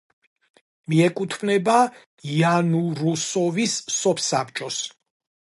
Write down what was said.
მიეკუთვნება იანურუსოვის სოფსაბჭოს.